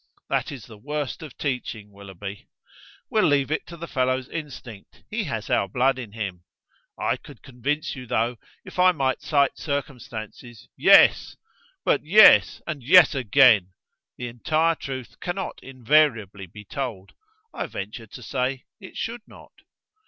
"That is the worst of teaching, Willoughby." "We'll leave it to the fellow's instinct; he has our blood in him. I could convince you, though, if I might cite circumstances. Yes! But yes! And yes again! The entire truth cannot invariably be told. I venture to say it should not."